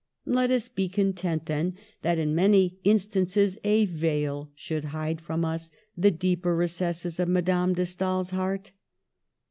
Let us be content, then, that in many instances a veil should hide from us the deeper recesses of Madame de Stael's heart.